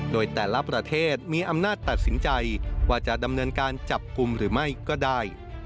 โดยแต่ละประเทศมีอำนาจตัดสินใจว่าจะดำเนินการจับกลุ่มหรือไม่ก็ได้